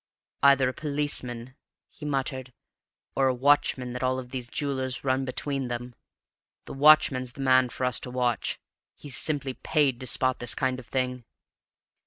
"Either a policeman," he muttered, "or a watchman that all these jewellers run between them. The watchman's the man for us to watch; he's simply paid to spot this kind of thing."